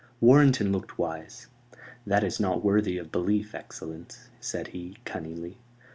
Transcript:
Warrenton looked wise. "That is not worthy of belief, excellence," said he, cunningly.